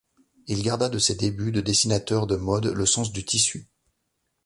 Il garda de ses débuts de dessinateur de mode le sens du tissu.